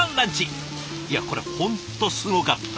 いやこれ本当すごかった。